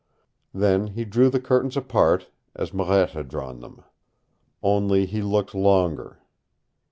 Then he drew the curtains apart, as Marette had drawn them. Only he looked longer.